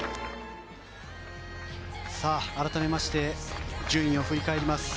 改めまして順位を振り返ります。